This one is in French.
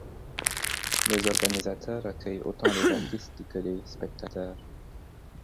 Les organisateurs accueillent autant les artistes que les spectateurs.